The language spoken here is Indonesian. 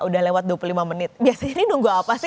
udah lewat dua puluh lima menit biasanya ini nunggu apa sih